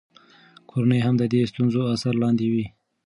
کورنۍ هم د دې ستونزو اثر لاندې وي.